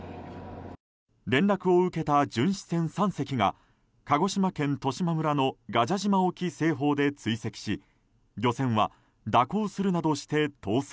連絡を受けた巡視船３隻が鹿児島県十島村の臥蛇島沖西方で追跡し漁船は蛇行するなどして逃走。